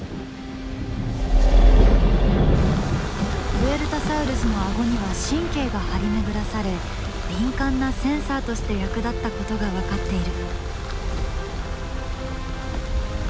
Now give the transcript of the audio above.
プエルタサウルスのアゴには神経が張り巡らされ敏感なセンサーとして役立ったことが分かっている。